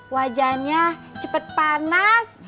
wajannya cepet panas